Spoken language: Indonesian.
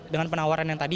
dengan penawaran yang tadi